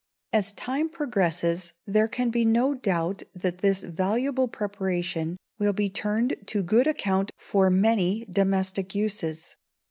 As time progresses there can be no doubt that this valuable preparation will be turned to good account for many domestic uses.